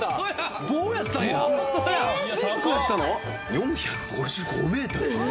４５５ｍ！